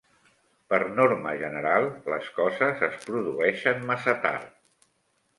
Per norma general les coses es produeixen massa tard